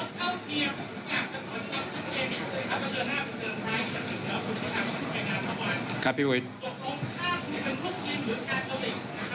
ครับพี่ประวิทย์